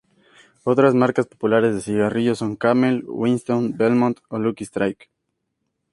Otras marcas populares de cigarrillos son Camel, Winston, Belmont o Lucky Strike.